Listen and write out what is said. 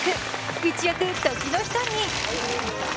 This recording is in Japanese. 一躍、時の人に。